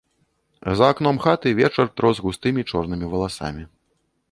За акном хаты вечар трос густымі чорнымі валасамі.